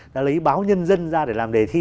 đã lấy báo nhân dân ra để làm đề thi